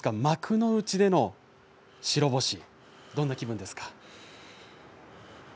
幕内での白星どんな気分ですか。